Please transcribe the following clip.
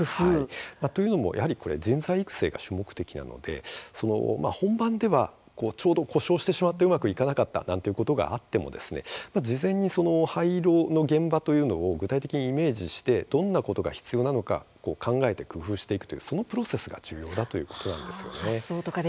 というのもやはり人材育成が主目的なので本番ではちょうど故障してしまって、うまくいかなかったことがあっても事前に廃炉の現場というのを具体的にイメージしてどんなことが必要なのか考えて工夫していくというそのプロセスが重要だということなんです。